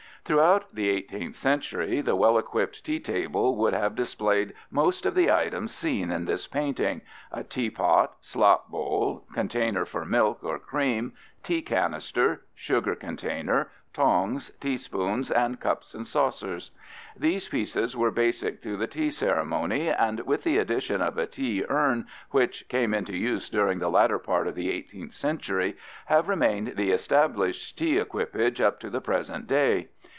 Throughout the 18th century the well equipped tea table would have displayed most of the items seen in this painting: a teapot, slop bowl, container for milk or cream, tea canister, sugar container, tongs, teaspoons, and cups and saucers. These pieces were basic to the tea ceremony and, with the addition of a tea urn which came into use during the latter part of the 18th century, have remained the established tea equipage up to the present day.